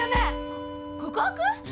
こっ告白！？